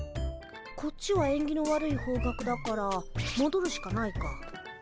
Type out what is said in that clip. こっちはえんぎの悪い方角だからもどるしかないか。